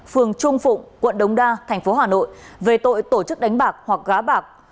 phường trung phụng quận đống đa thành phố hà nội về tội tổ chức đánh bạc hoặc gá bạc